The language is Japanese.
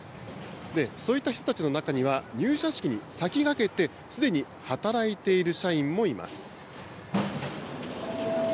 そういった人たちの中には、入社式に先駆けて、すでに働いている社員もいます。